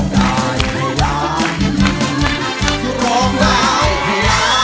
ฟาระยาลูงปลอยร์ค่ะ